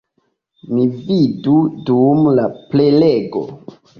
Ni vidu dum la prelego.